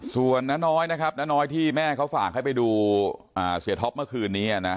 ส่วนน้าน้อยนะครับน้าน้อยที่แม่เขาฝากให้ไปดูเสียท็อปเมื่อคืนนี้นะ